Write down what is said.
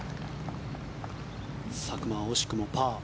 佐久間は惜しくもパー。